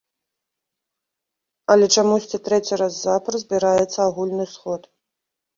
Але чамусьці трэці раз запар збіраецца агульны сход.